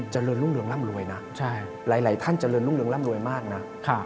เจริญรุ่งเรืองร่ำรวยนะหลายท่านเจริญรุ่งเรืองร่ำรวยมากนะ